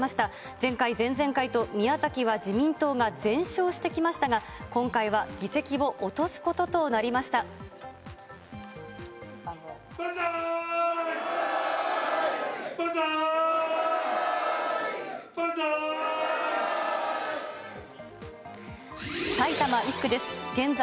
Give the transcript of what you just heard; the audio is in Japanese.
前回、前々回と宮崎は自民党が前哨してきましたが、今回は議席を落とす万歳！